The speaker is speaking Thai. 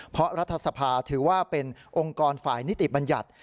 เพราะรัฐสภาถือว่าเป็นองค์กรฝ่ายนิติบัญญัติ